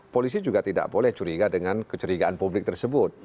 polisi juga tidak boleh curiga dengan kecurigaan publik tersebut